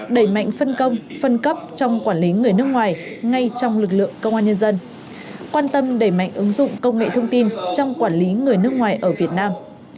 đẩy mạnh phân công phân cấp trong quản lý người nước ngoài ngay trong lực lượng công an nhân dân quan tâm đẩy mạnh ứng dụng công nghệ thông tin trong quản lý người nước ngoài ở việt nam